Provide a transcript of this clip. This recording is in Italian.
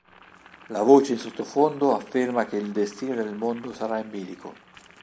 La voce in sottofondo afferma che "Il destino del mondo sarà in bilico".